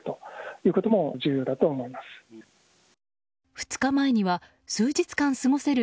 ２日前には数日間過ごせる